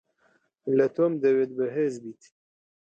لە تۆم دەوێت بەهێز بیت.